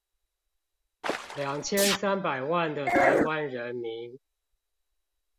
兩千三百萬的臺灣人民